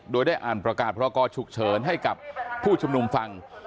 โดยได้อ่านประกาศพรกรฉุกเฉินให้กับผู้ชุมนุมฟัง